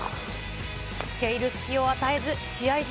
つけ入る隙を与えず、試合時